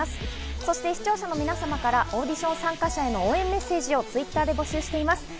そして視聴者の皆様からオーディション参加者への応援メッセージをＴｗｉｔｔｅｒで募集しています。